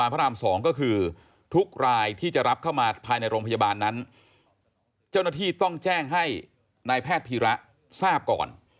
เพราะฉะนั้นเจ้าหน้าที่ต้องแจ้งให้นายแพทย์พิระทราบก่อน